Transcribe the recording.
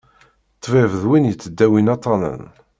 Ṭbib d win yettdawin aṭṭanen.